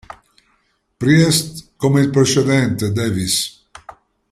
Priest come il precedente Davis.